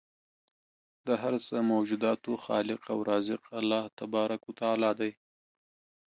د هر څه موجوداتو خالق او رازق الله تبارک و تعالی دی